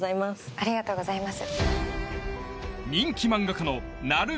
ありがとうございます。